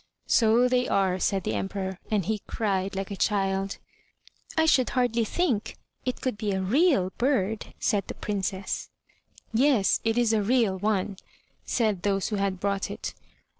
"So they are," said the Emperor, and he cried like a child. " I should hardly think it could be a real bird," said the Princess. "Yes, it is a real one," said those who had brought it.